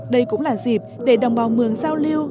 đây cũng là dịp để đồng bào mường giao lưu